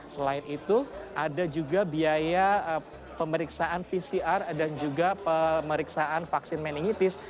selain itu ada juga biaya pemeriksaan pcr dan juga pemeriksaan vaksin meningitis